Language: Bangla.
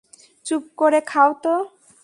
চুপ করে খাও তো।